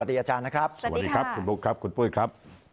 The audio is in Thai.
สวัสดีอาจารย์นะครับสวัสดีค่ะสวัสดีครับคุณปุ๊กครับคุณปุ๊กครับ